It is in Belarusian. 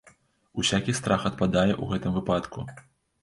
Усякі страх адпадае ў гэтым выпадку.